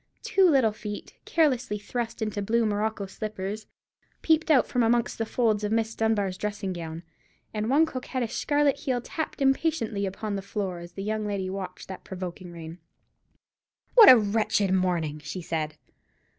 Two little feet, carelessly thrust into blue morocco slippers, peeped out from amongst the folds of Miss Dunbar's dressing gown, and one coquettish scarlet heel tapped impatiently upon the floor as the young lady watched that provoking rain. "What a wretched morning!" she said.